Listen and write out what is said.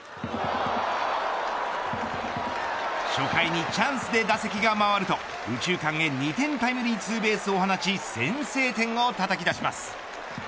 初回にチャンスで打席が回ると右中間へ２点タイムリーツーベースを放ち先制点をたたき出します。